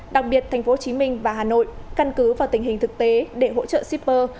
đặc biệt tp hcm và hà nội căn cứ vào tình hình thực tế để hỗ trợ shipper